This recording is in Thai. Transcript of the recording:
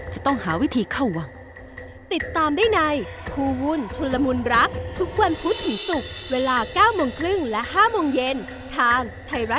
จะต้องหาวิธีเข้าวัง